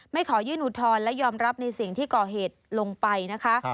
ขอยื่นอุทธรณ์และยอมรับในสิ่งที่ก่อเหตุลงไปนะคะ